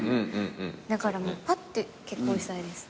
だからぱって結婚したいです。